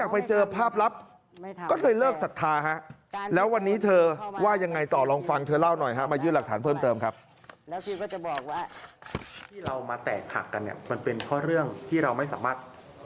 ที่เรามาแตกหักกันเนี่ยมันเป็นเพราะเรื่องที่เราไม่สามารถ